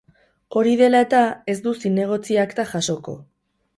Hori dela eta, ez du zinegotzi akta jasoko.